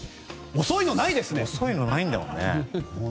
遅いのないんだもんね。